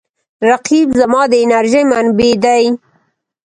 رقیب زما د انرژۍ منبع دی